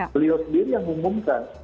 beliau sendiri yang mengumumkan